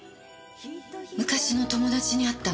昔の友達に会ったの。